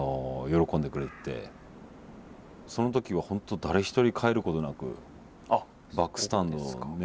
その時は本当誰一人帰ることなくバックスタンドのね